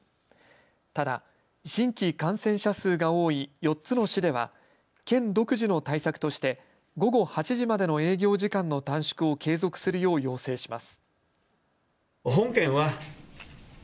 ただ、新規感染者数が多い４つの市では県独自の対策として午後８時までの営業時間の短縮を継続するよう要請します。